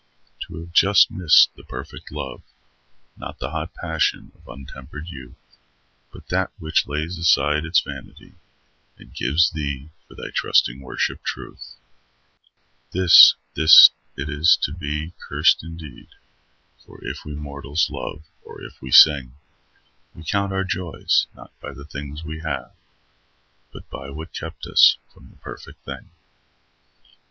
To have just missed the perfect love, Not the hot passion of untempered youth, But that which lays aside its vanity And gives thee, for thy trusting worship, truth— This, this it is to be accursed indeed; For if we mortals love, or if we sing, We count our joys not by the things we have, But by what kept us from the perfect thing.